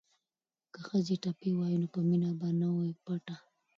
که ښځې ټپې ووايي نو مینه به نه وي پټه.